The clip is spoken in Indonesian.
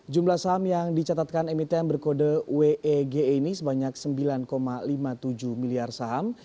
jumlah saham yang dicatatkan emiten berkode wege ini sebanyak sembilan lima puluh tujuh miliar saham